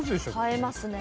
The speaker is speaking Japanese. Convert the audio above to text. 映えますね。